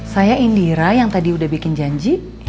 saya indira yang tadi udah bikin janji